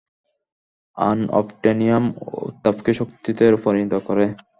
Unobtainium উত্তাপকে শক্তিতে পরিণত করে!